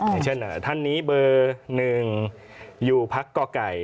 อย่างเช่นท่านนี้เบอร์๑อยู่พักก่อไก่